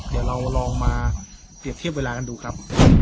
เดี๋ยวเราลองมาเปรียบเทียบเวลากันดูครับ